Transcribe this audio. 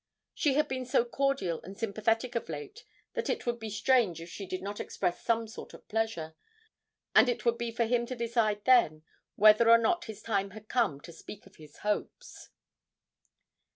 She had been so cordial and sympathetic of late that it would be strange if she did not express some sort of pleasure, and it would be for him to decide then whether or not his time had come to speak of his hopes.